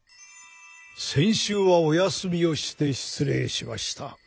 先週はお休みをして失礼しました。